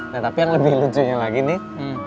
nah tapi yang lebih lucunya lagi nih